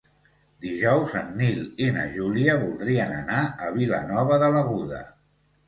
Dijous en Nil i na Júlia voldrien anar a Vilanova de l'Aguda.